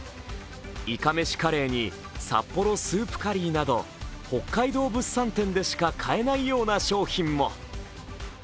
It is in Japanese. いかめしカレーに札幌スープカリーなど北海道物産展でしか買えないような商品も。